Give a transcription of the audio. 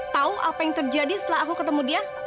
tahu apa yang terjadi setelah aku ketemu dia